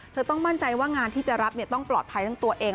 ต้องมั่นใจว่างานที่จะรับต้องปลอดภัยทั้งตัวเอง